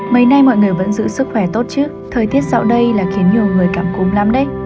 mấy nay mọi người vẫn giữ sức khỏe tốt trước thời tiết dạo đây là khiến nhiều người cảm cúm lam đấy